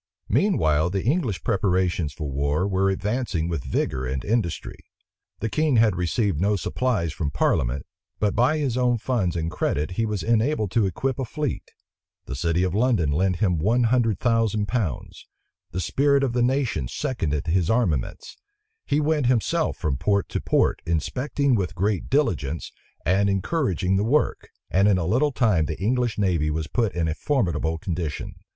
Meanwhile the English preparations for war were advancing with vigor and industry. The king had received no supplies from parliament; but by his own funds and credit he was enabled to equip a fleet: the city of London lent him one hundred thousand pounds: the spirit of the nation seconded his armaments: he himself went from port to port, inspecting with great diligence, and encouraging the work; and in a little time the English navy was put in a formidable condition.